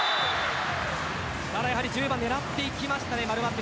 やはり１０番を狙っていきましたね。